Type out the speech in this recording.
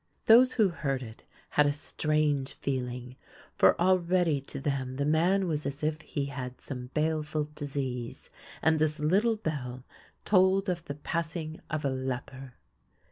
Those who heard it had a strange feeling, for already to them the man was as if he had some baleful disease, and this little bell told of the passing of a leper.